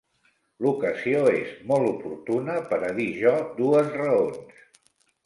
L'ocasió és molt oportuna per a dir jo dues raons.